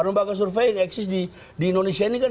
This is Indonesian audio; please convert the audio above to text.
lembaga survei yang eksis di indonesia ini kan